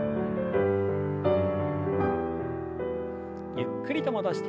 ゆっくりと戻して。